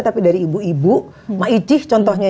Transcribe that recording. tapi dari ibu ibu ma icih contohnya